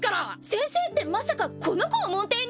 先生ってまさかこの子を門弟に！？